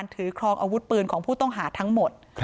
ถือครองอาวุธปืนของผู้ต้องหาทั้งหมด